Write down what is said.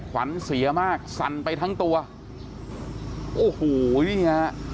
ขวัญเสียมากสั่นไปทั้งตัวโอ้โหนี่ฮะ